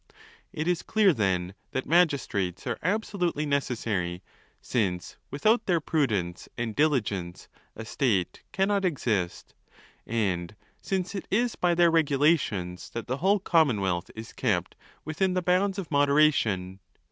It is clear, then, that magistrates are absolutely necessary ; since, without their prudence and diligence, a state cannot exist ; and since it is by their regulations that the whole commonwealth is kept within the bounds of moderation.